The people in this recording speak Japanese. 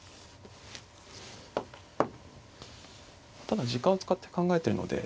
ただ時間を使って考えてるので。